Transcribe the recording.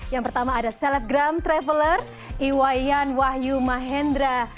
yang pertama ada selebgram traveler iwayan wahyu mahendra